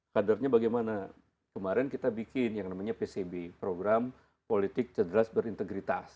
kadernya bagaimana kemarin kita bikin yang namanya pcb program politik cederas berintegritas